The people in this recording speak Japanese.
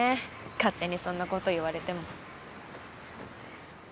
勝手にそんなこと言われても。